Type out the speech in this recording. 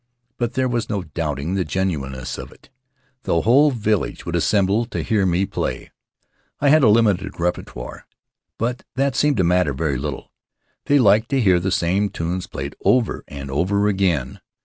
But there was no doubting the genuineness of it. The whole village would assemble to hear me play. I had a limited repertoire, but that seemed to matter very little. They liked to hear the same tunes played over and over again.